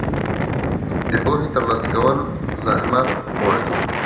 د پوهې ترلاسه کول زحمت غواړي.